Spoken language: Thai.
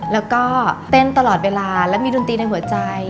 แล้วก็เต้นตลอดเวลาและมีดนตรีในหัวใจ